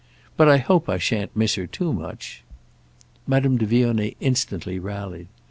"But I hope I shan't miss her too much." Madame de Vionnet instantly rallied.